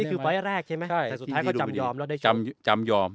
นี่คือไฟ่นเร้กใช่ไหมแต่นี่จำเปื่อนช่วย